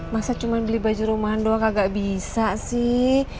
masa cuma beli baju rumah doang gak bisa sih